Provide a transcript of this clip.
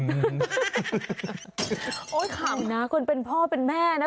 ขำนะคนเป็นพ่อเป็นแม่นะ